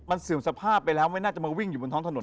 มันเสื่อมสภาพไปแล้วไม่น่าจะมาวิ่งอยู่บนท้องถนน